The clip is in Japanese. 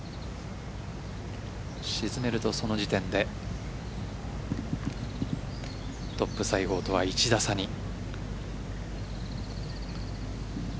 沈めると、その時点でトップ・西郷とは１打差に。